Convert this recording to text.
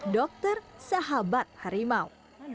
dokter sahabat harimau